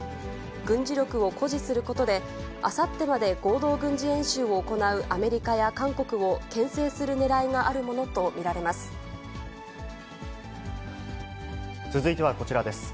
軍事力を誇示することで、あさってまで合同軍事演習を行うアメリカや韓国をけん制するねら続いてはこちらです。